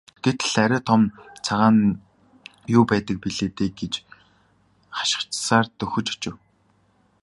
Гэтэл арай том энэ цагаан нь юу байдаг билээ дээ гэж хачирхсаар дөхөж очив.